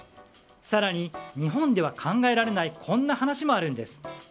更に、日本では考えられないこんな話もあるんです。